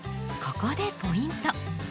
ここでポイント。